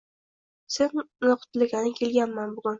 Seni qutlagani kelganman bugun.